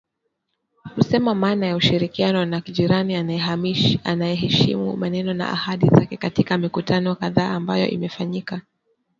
kusema maana ya ushirikiano na jirani ayaheshimu maneno na ahadi zake katika mikutano kadhaa ambayo imefanyika"